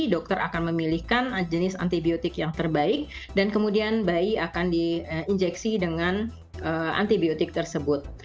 dokter akan memilihkan jenis antibiotik yang terbaik dan kemudian bayi akan diinjeksi dengan antibiotik tersebut